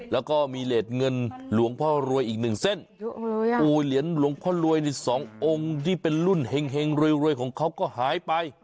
แล้วก็มีเลสเงินหลวงพ่อรวยอีกหนึ่งเส้นเหรียญหลวงพ่อรวยนี่สององค์ที่เป็นรุ่นเห็งรวยของเขาก็หายไป